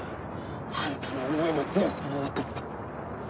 あんたの思いの強さはわかった。